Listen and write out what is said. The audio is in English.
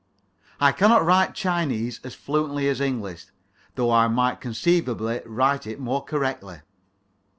I cannot write Chinese as fluently as English, though I might conceivably write it more correctly.